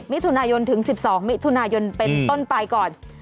มิถุนายนถึง๑๒มิถุนายนเป็นต้นไปก่อน